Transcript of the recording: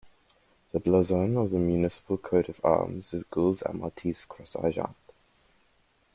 The blazon of the municipal coat of arms is Gules a Maltese Cross Argent.